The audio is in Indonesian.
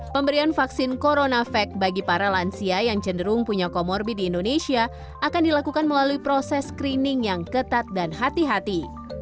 pemberian vaksin coronavac bagi para lansia yang cenderung punya comorbid di indonesia akan dilakukan melalui proses screening yang ketat dan hati hati